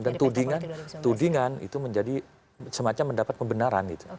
dan tudingan itu menjadi semacam mendapat pembenaran